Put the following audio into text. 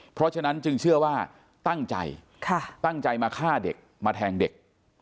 เพราะฉะนั้นจึงเชื่อว่าตั้งใจตั้งใจมาฆ่าเด็กมาแทงเด็ก